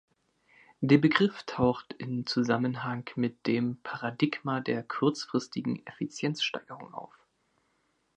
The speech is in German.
Der Begriff taucht in Zusammenhang mit dem „Paradigma der kurzfristigen Effizienzsteigerung“ auf.